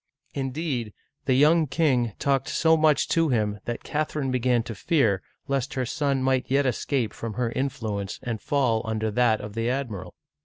" Indeed, the young king talked so much to him that Cath erine began to fear lest her son might yet escape from her influence and fall under that of the admiral.